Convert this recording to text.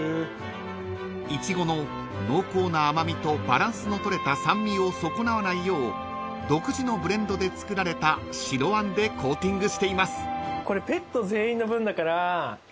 ［イチゴの濃厚な甘味とバランスの取れた酸味を損なわないよう独自のブレンドで作られた白あんでコーティングしています］